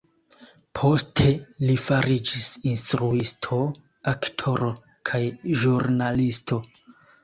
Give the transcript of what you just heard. Poste li fariĝis instruisto, aktoro kaj ĵurnalisto.